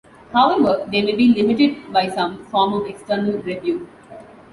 However, they may be limited by some form of external review.